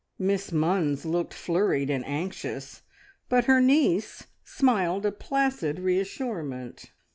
Miss Munns looked flurried and anxious, but her niece smiled a placid reassurement.